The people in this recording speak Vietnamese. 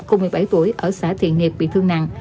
cùng một mươi bảy tuổi ở xã thiện nghiệp bị thương nặng